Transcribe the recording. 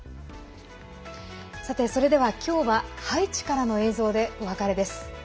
それでは、今日はハイチからの映像でお別れです。